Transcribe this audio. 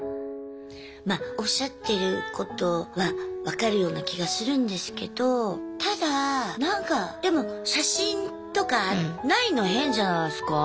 まおっしゃってることは分かるような気がするんですけどただなんかでも写真とかないの変じゃないすかだって０から３まで。